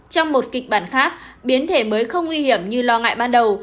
trong một kịch bản khác biến thể mới không nguy hiểm như lo ngại ban đầu